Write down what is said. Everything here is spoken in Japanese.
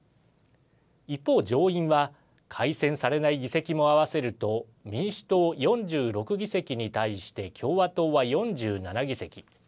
一方、上院は改選されない議席も合わせると民主党４６議席に対して共和党は４７議席。